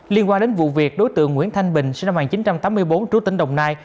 liên quan đến vụ việc đối tượng nguyễn thanh bình sinh năm một nghìn chín trăm tám mươi bốn trú tỉnh đồng nai